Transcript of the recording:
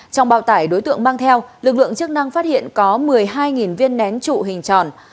trong bào tải đối tượng mang theo lực lượng chức năng phát hiện có một mươi hai viên nén trụ hình tròn